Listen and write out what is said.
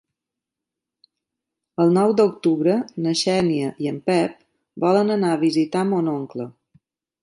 El nou d'octubre na Xènia i en Pep volen anar a visitar mon oncle.